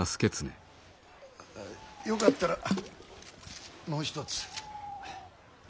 よかったらもう一つ。